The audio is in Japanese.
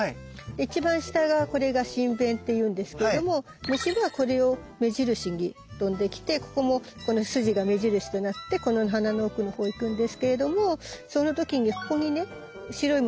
一番下がこれが唇弁っていうんですけれども虫はこれを目印に飛んできてここもこの筋が目印となってこの花の奥のほう行くんですけれどもその時にここにね白いものがちょっと見えるよね？